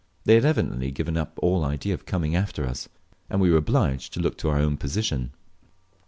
They had evidently given up all idea of coming after us, and we were obliged to look to our own position.